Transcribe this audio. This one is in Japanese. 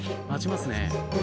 待ちますね。